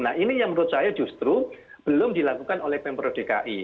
nah ini yang menurut saya justru belum dilakukan oleh pemprov dki